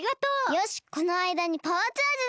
よしこのあいだにパワーチャージだ！